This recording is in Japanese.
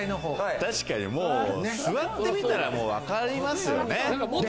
確かに座ってみたら、わかりますよね。